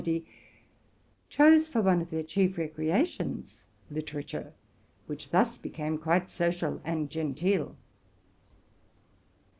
81 erty, chose for one of their chief recreations literature, which thus became quite social and genteel.